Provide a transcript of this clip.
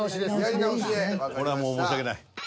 これはもう申し訳ない。